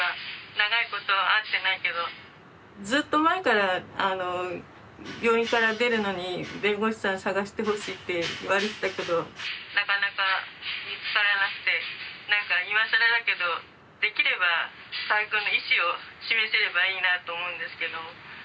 長いこと会ってないけどずっと前から病院から出るのに弁護士さん探してほしいって言われてたけどなかなか見つからなくて何か今更だけどできれば河合くんの意思を示せればいいなと思うんですけども。